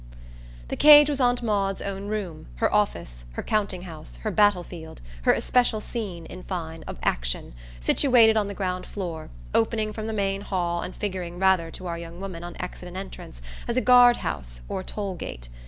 The cage was Aunt Maud's own room, her office, her counting house, her battlefield, her especial scene, in fine, of action, situated on the ground floor, opening from the main hall and figuring rather to our young woman on exit and entrance as a guard house or a toll gate.